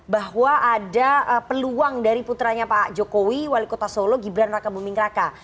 bahwa ada peluang dari putranya pak jokowi wali kota solo gibran raka buming raka